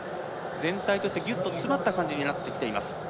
全体としてぎゅっと詰まった感じになってきています。